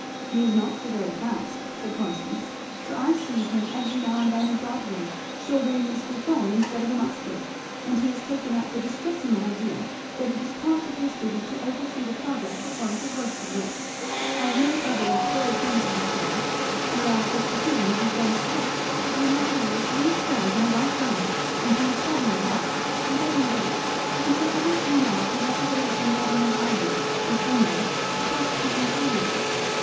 "He is not so very fast," said Constance, "for I see him every now and then in Broadway shouldering Mr. Thorn instead of a musket; and he has taken up the distressing idea that it is part of his duty to oversee the progress of Florence's worsted work (I've made over that horrid thing to her, Fleda) or else his precision has been struck with the anomaly of blue stars on a white ground, and he is studying that, I don't know which, and so every few nights he rushes over from Governor's Island, or somewhere, to prosecute enquiries.